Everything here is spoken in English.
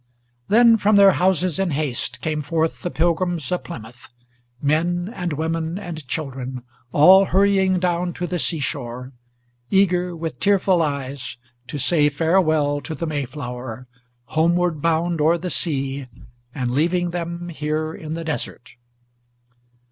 Then from their houses in haste came forth the Pilgrims of Plymouth, Men and women and children, all hurrying down to the sea shore, Eager, with tearful eyes, to say farewell to the Mayflower, Homeward bound o'er the sea, and leaving them here in the desert.